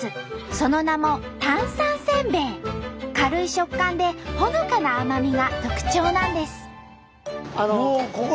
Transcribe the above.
その名も軽い食感でほのかな甘みが特徴なんです。